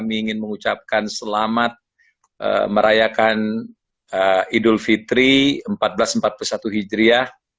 kami ingin mengucapkan selamat merayakan idul fitri seribu empat ratus empat puluh satu hijriah